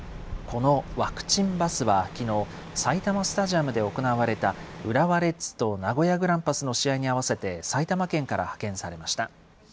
このワクチンバスはきのう、埼玉スタジアムで行われた、浦和レッズと名古屋グランパスの試合に合わせて埼玉県から派遣されました。